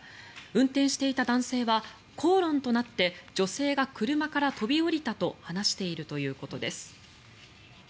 運転していた男性は口論となって女性が車から飛び降りたと話しているということです。